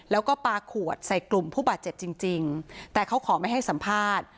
แล้วก็ปลาขวดใส่กลุ่มผู้บาดเจ็บจริงจริงแต่เขาขอไม่ให้สัมภาษณ์